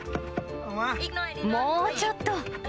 もうちょっと！